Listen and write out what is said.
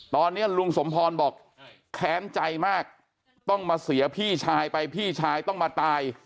ตอนนี้ลุงสมพรบอกแค้นใจมากต้องมาเสียพี่ชายไปพี่ชายต้องมาตาย